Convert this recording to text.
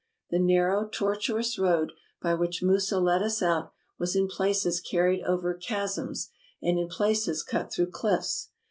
The narrow, tortuous road by which Musa led us out was in places carried over chasms, and in places cut through cliffs.